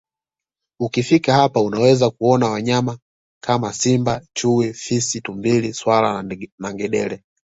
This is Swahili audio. Ukifika hapo unaweza kuona wanyama kama Simba Chui Fisi Tumbili swala na ngedele